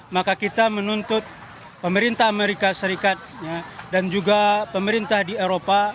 maka kita menuntut pemerintah amerika serikat dan juga pemerintah di eropa